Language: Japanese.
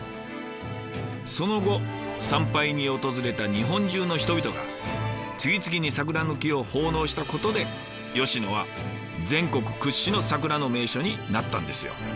その後参拝に訪れた日本中の人々が次々に桜の木を奉納したことで吉野は全国屈指の桜の名所になったんですよ。